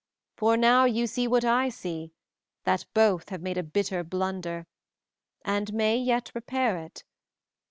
For now you see what I see, that both have made a bitter blunder, and may yet repair it.